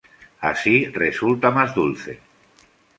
Así resulta más dulce.